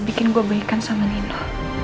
bikin gue baikan sama nino